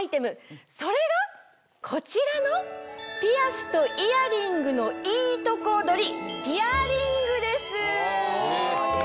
それがこちらのピアスとイヤリングのいいとこ取り。